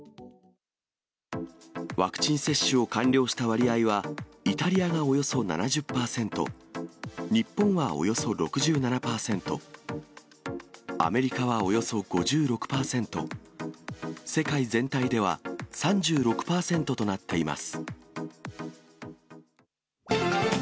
ワクチン接種を完了した割合は、イタリアがおよそ７０％、日本はおよそ６７％、アメリカはおよそ５６％、世界全体では３６％となっています。